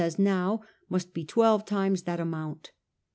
as now, must be twelve times that amount.